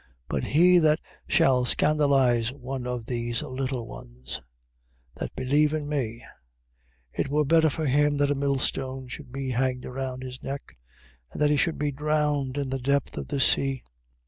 18:6. But he that shall scandalize one of these little ones that believe in me, it were better for him that a millstone should be hanged about his neck, and that he should be drowned in the depth of the sea.